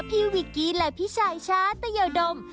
วิกกี้และพี่ชายชาตยดม